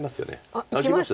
あっいきました！